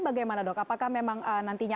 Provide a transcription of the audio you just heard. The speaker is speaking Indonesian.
bagaimana dok apakah memang nantinya